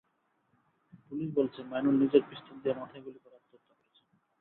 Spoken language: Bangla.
পুলিশ বলছে, মাইনুল নিজের পিস্তল দিয়ে মাথায় গুলি করে আত্মহত্যা করেছেন।